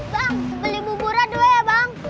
bang beli buburat dua ya bang